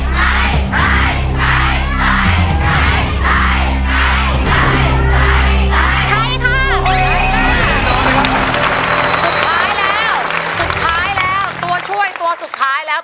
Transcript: สุดท้ายแล้วสุดท้ายแล้วตัวช่วยตัวสุดท้ายแล้ว